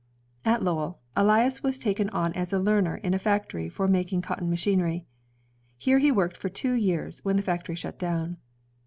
At Lowell, Elias was taken on as a learner in a factory for making cotton machinery. Here he worked for two years, when the factory shut down.